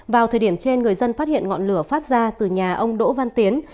vào thời điểm trên người dân phát hiện ngọn lửa phát ra từ nhà ông đỗ văn tiến